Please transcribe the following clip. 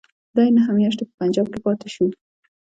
دی نهه میاشتې په پنجاب کې پاته شو.